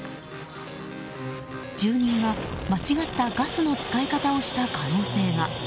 住人が間違ったガスの使い方をした可能性が。